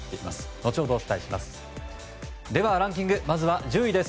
のちほどお伝えします。